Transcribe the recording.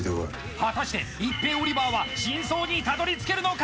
果たして、一平、オリバーは真相に、たどりつけるのか？